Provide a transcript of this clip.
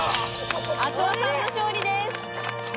阿諏訪さんの勝利です。